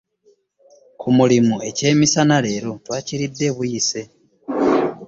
Ku mulimu ekyemisana leero twakiridde buyise.